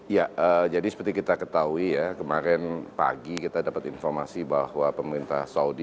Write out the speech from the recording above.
ya jadi seperti kita ketahui ya kemarin pagi kita dapat informasi bahwa pemerintah saudi